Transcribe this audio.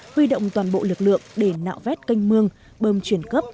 huy động toàn bộ lực lượng để nạo vét canh mương bơm chuyển cấp